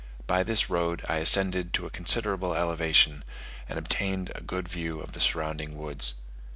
By this road I ascended to a considerable elevation, and obtained a good view of the surrounding woods.